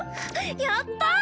やったー！